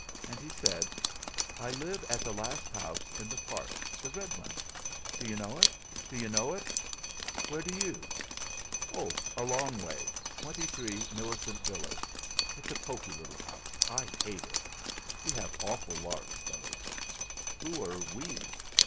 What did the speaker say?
And he said: "I live at the last house in the park the red one. D'you know it? Where do you?" "Oh! a long way 23, Millicent Villas. It's a poky little house. I hate it. We have awful larks, though." "Who are we?"